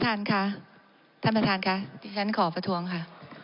ท่านค่ะท่านประธานค่ะที่ฉันขอประท้วงค่ะ